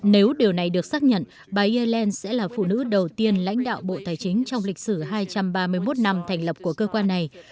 nếu điều này được xác nhận bà yellen sẽ là phụ nữ đầu tiên lãnh đạo bộ tài chính trong lịch sử hai trăm ba mươi một năm thành lập của cơ quan này